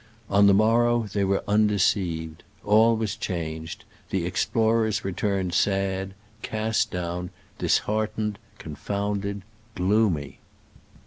On the morrow they were unde ceived. All was changed : the explorers returned sad — cast down — dishearten ed — confounded — gloomy.